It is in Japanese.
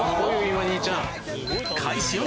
今兄ちゃん。